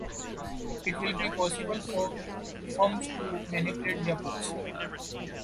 It will be possible for firms to manipulate their books.